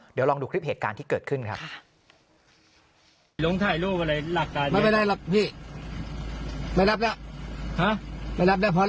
เดี๋ยวลองดูคลิปเหตุการณ์ที่เกิดขึ้นครับ